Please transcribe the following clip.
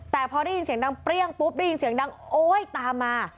แต่พอได้ยินเสียงดังเปรี้ยงปุ๊บได้ยินเสียงดังโอ๊ยตามมา